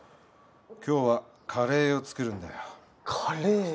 今日はカレーを作るんだよカレエ？